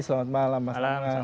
selamat malam mas